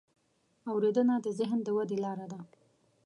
اورېدنه د ذهن د ودې لاره ده.